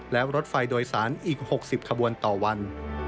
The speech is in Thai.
และรถไฟโดยสารอีก๖๐ขบวนต่อวัน